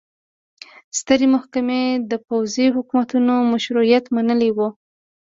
سترې محکمې د پوځي حکومتونو مشروعیت منلی و.